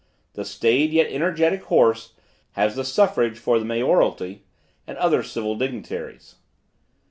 The staid yet energetic horse has the suffrage for the mayoralty and other civil dignitaries.